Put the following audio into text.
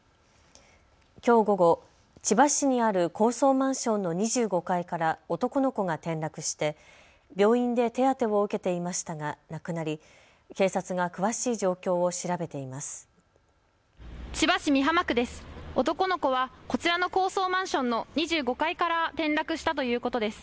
きょう午後、千葉市にある高層マンションの２５階から男の子が転落して病院で手当てを受けていましたが亡くなり、警察が詳しい状況を調べています。